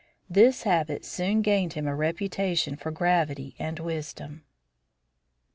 This habit soon gained him a reputation for gravity and wisdom. IV.